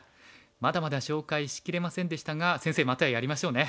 まだまだ紹介しきれませんでしたが先生またやりましょうね。